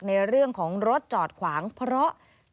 ในเรื่องของรถจอดขวางเพราะ